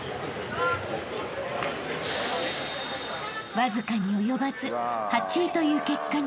［わずかに及ばず８位という結果に］